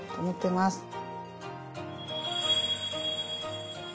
思ってます。